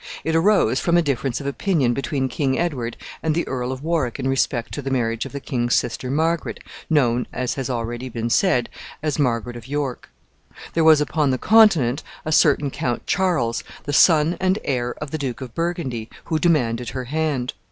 It arose from a difference of opinion between King Edward and the Earl of Warwick in respect to the marriage of the king's sister Margaret, known, as has already been said, as Margaret of York. There was upon the Continent a certain Count Charles, the son and heir of the Duke of Burgundy, who demanded her hand.